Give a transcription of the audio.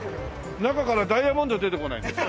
中からダイヤモンド出てこないですか？